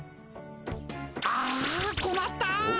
あこまったっ！